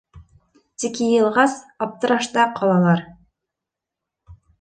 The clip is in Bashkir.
Тик йыйылғас, аптырашта ҡалалар.